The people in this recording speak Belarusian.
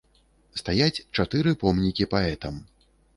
Стаяць чатыры помнікі паэтам!